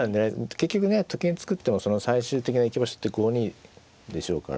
結局ねと金作ってもその最終的な行き場所って５二でしょうから。